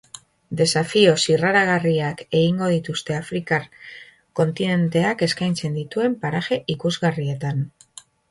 Desafio zirraragarriak egingo dituzte afrikar kontinenteak eskaintzen dituen paraje ikusgarrietan.